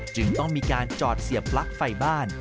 จึงต้องมีการจอดเสียบปลั๊กไฟบ้าน